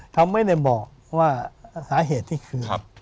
เขาไม่ได้บอกว่าสาเหตุที่คือ